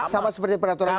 sama seperti peraturan ini